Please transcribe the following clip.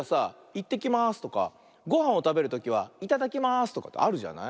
「いってきます」とかごはんをたべるときは「いただきます」とかってあるじゃない？